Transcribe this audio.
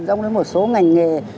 giống như một số ngành nghề